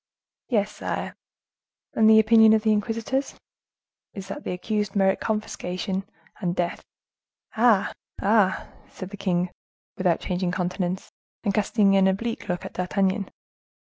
"Yes, sire." "And the opinion of the inquisitors?" "Is that the accused merit confiscation and death." "Ah! ah!" said the king, without changing countenance, and casting an oblique look at D'Artagnan.